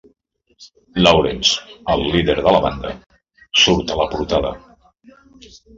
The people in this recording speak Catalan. Lawrence, el líder de la banda, surt a la portada.